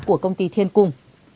của công ty thiên cung